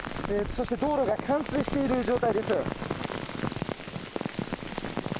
そして道路が冠水している状態です。